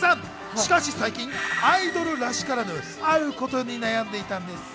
しかし最近、アイドルらしからぬ、あることに悩んでいたんです。